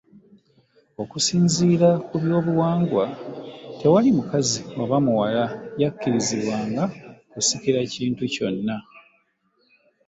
Okusinziira ku byobuwangwa, tewali mukazi oba muwala yakkirizibwanga kusikira kintu kyonna.